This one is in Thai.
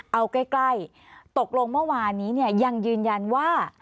เอาใกล้ตกลงเมื่อวานนี้ยังยืนยันว่า